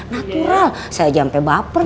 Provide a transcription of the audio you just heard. natural saya aja sampe baper